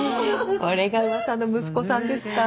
これがうわさの息子さんですか！